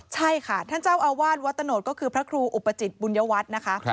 ใช่ค่ะท่านเจ้าอาวาสวัดตะโนธก็คือพระครูอุปจิตบุญยวัฒน์นะคะ